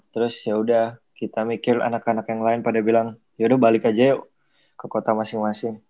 terus yaudah kita mikir anak anak yang lain pada bilang yaudah balik aja yuk ke kota masing masing